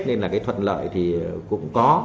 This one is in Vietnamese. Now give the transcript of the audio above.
nên là cái thuận lợi thì cũng có